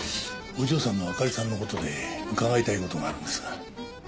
お嬢さんのあかりさんの事で伺いたい事があるんですが。